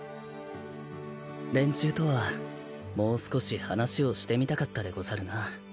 連中とはもう少し話をしてみたかったでござるな。